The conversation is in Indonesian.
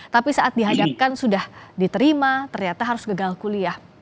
tapi saat dihadapkan sudah diterima ternyata harus gagal kuliah